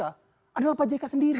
adalah pak jk sendiri